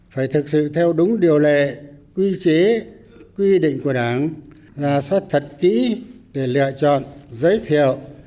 phải thực sự theo đúng điều lệ quy chế quy định của đảng ra soát thật kỹ để lựa chọn giới thiệu